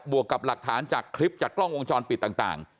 วกกับหลักฐานจากคลิปจากกล้องวงจรปิดต่าง